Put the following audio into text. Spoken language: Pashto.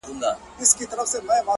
• زه چي سهار له خوبه پاڅېږمه؛